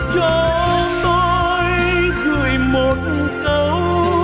cho tôi gửi một câu